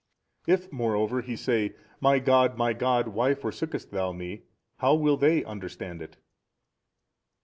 A. If moreover He say, My God My God why forsookest Thou Me, how will they understand it?